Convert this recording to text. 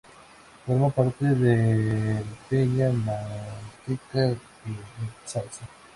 Forma parte del Peña Manteca-Genestaza.